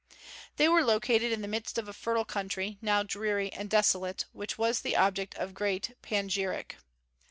They were located in the midst of a fertile country, now dreary and desolate, which was the object of great panegyric.